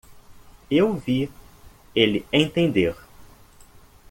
Eu vi ele entender.